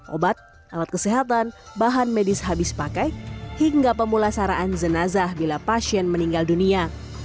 obat alat kesehatan bahan medis habis pakai hingga pemulasaraan jenazah bila pasien meninggal dunia